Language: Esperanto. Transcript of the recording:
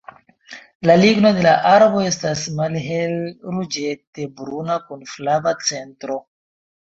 La ligno de la arbo estas malhelruĝete bruna kun flava centro.